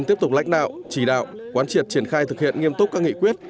tiếp tục lãnh đạo chỉ đạo quán triệt triển khai thực hiện nghiêm túc các nghị quyết